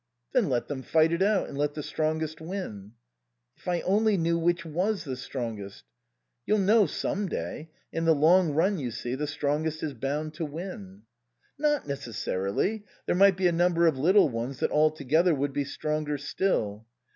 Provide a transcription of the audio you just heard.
"Then let them fight it out, and let the strongest win." " If I only knew which tvas the strongest." " You'll know some day. In the long run, you see, the strongest is bound to win." " Not necessarily. There might be a number of little ones that all together would be stronger still."